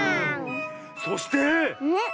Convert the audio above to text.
そして！